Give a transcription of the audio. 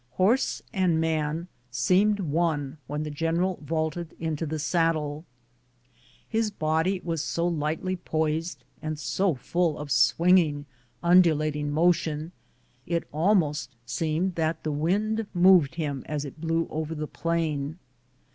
Horse and man seemed one when the general vaulted into the saddle. His body was so lightly poised and so full of swinging, undulating motion, it almost seemed that the wind moved him as it blew over the plain.